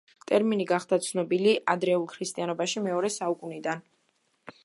ტერმინი გახდა ცნობილი ადრეულ ქრისტიანობაში მეორე საუკუნიდან.